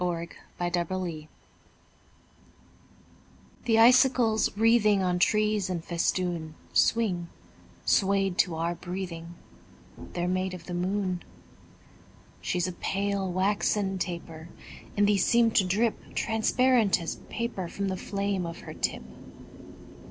SILVER FILIGREE The icicles wreathing On trees in festoon Swing, swayed to our breathing: They're made of the moon. She's a pale, waxen taper; And these seem to drip Transparent as paper From the flame of her tip.